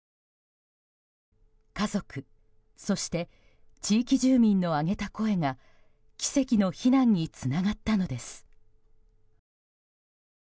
家族そして地域住民の上げた声が奇跡の避難につながったのです。